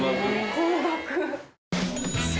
高額。